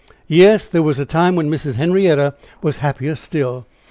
Yes; there was a time when Mrs. Henrietta was happier still!